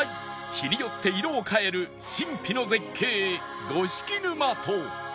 日によって色を変える神秘の絶景五色沼と